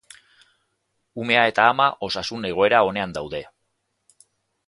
Umea eta ama osasun egoera onean daude.